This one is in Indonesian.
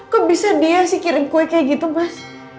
kok bisa dia sih kirim kue kayak gitu mas